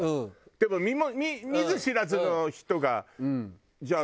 でも見ず知らずの人がじゃあ